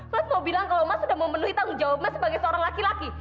mas mau bilang kalau mas sudah memenuhi tanggung jawab mas sebagai seorang laki laki